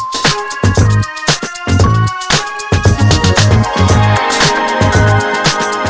tante seorang ngechat gue semalam